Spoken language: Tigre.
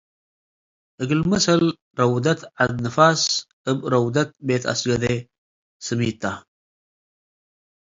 እግል መሰል ረውደት ዐዲ ንፋስ እብ ረውደት “ቤት አስገዴ” ስሚት ተ ።